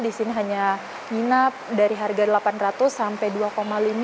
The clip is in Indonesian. di sini hanya nginap dari harga rp delapan ratus sampai rp dua lima ratus